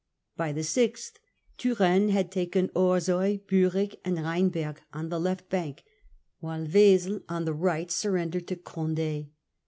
By the 6th Turenne had taken Orsoy, Biirick, and Rhynberg on the left bank, while Wesel on the right surrendered to Conde.